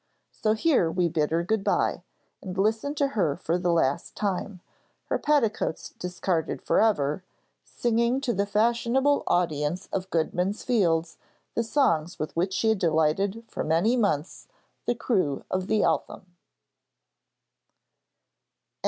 So here we bid her good bye, and listen to her for the last time her petticoats discarded for ever singing to the fashionable audience of Goodman's Fields the songs with which she had delighted for many months the crew of the 'Eltham.'